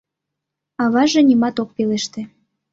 Аваже нимат ок пелеште.